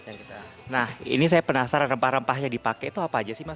nah ini saya penasaran rempah rempah yang dipakai itu apa aja sih mas